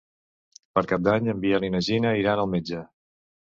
Per Cap d'Any en Biel i na Gina iran al metge.